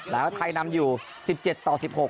แล้วไทยนำอยู่๑๗ต่อ๑๖